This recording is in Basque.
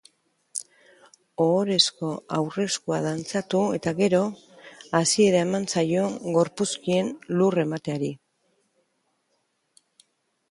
Ohorezko aurreskua dantzatu eta gero, hasiera eman zaio gorpuzkien lur emateari.